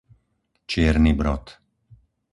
Čierny Brod